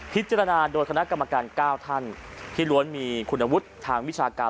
พิจารณาโดยคณะกรรมการ๙ท่านที่ล้วนมีคุณวุฒิทางวิชาการ